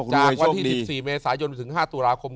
จากวันที่๑๔เมษายนถึง๕ตุลาคม